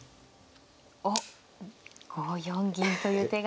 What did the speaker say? おっ５四銀という手が。